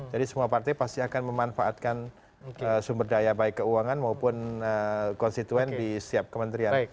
semua partai pasti akan memanfaatkan sumber daya baik keuangan maupun konstituen di setiap kementerian